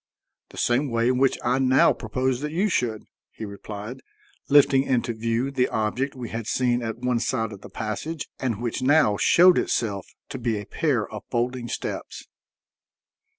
"The same way in which I now propose that you should," he replied, lifting into view the object we had seen at one side of the passage, and which now showed itself to be a pair of folding steps.